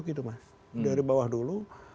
gitu mas dari bawah dulu